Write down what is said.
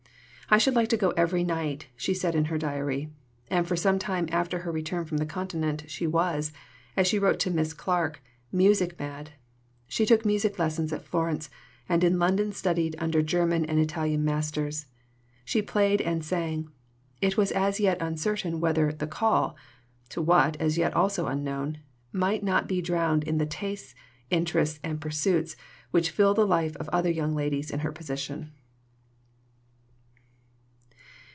"I should like to go every night," she said in her diary; and for some time after her return from the Continent she was, as she wrote to Miss Clarke, "music mad." She took music lessons at Florence, and in London studied under German and Italian masters. She played and sang. It was as yet uncertain whether "the call" to what, as yet also unknown might not be drowned in the tastes, interests, and pursuits which fill the life of other young ladies in her position.